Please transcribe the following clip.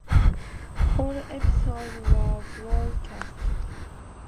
All episodes were broadcast.